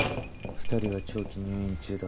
２人は長期入院中だった。